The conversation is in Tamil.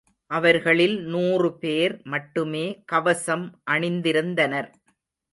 அவர்களில் நூறு பேர் மட்டுமே கவசம் அணிந்திருந்தனர்.